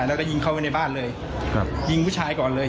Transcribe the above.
แล้วก็ยิงเข้าไปในบ้านเลยครับยิงผู้ชายก่อนเลย